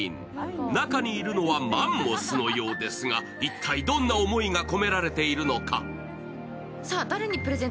中にいるのはマンモスのようですが一体どんな思いが込められているのか。